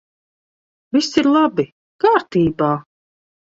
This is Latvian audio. Viss ir labi! Kārtībā!